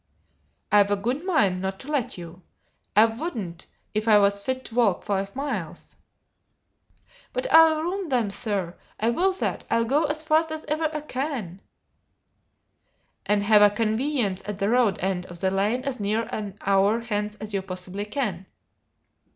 "I've a good mind not to let you. I wouldn't if I was fit to walk five miles." "But I'll roon 'em, sir! I will that! I'll go as fast as iver I can!" "And have a conveyance at the road end of the lane as near an hour hence as you possibly can?"